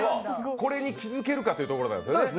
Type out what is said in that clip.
これに気づけるかということですね。